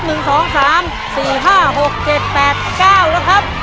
หนึ่งสองสามสี่ห้าหกเจ็ดแปดเก้าแล้วครับ